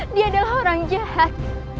dia adalah orang jahat